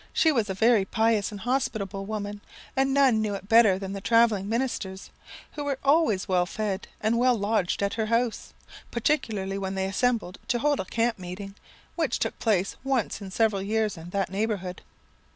She was a very pious and hospitable woman, and none knew it better than the travelling ministers, who were always well fed and well lodged at her house, particularly when they assembled to hold a camp meeting, which took place once in several years in that neighbourhood.